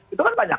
itu kan banyak